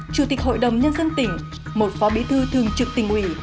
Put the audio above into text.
chủ tịch hội đồng nhân dân tỉnh một phó bí thư thường trực tỉnh ủy